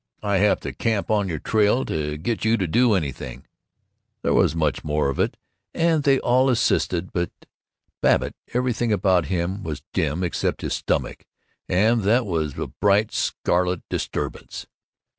I have to camp on your trail to get you to do anything " There was much more of it, and they all assisted, all but Babbitt. Everything about him was dim except his stomach, and that was a bright scarlet disturbance.